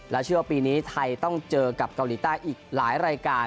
เชื่อว่าปีนี้ไทยต้องเจอกับเกาหลีใต้อีกหลายรายการ